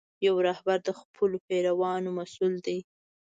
یو رهبر د خپلو پیروانو مسؤل دی.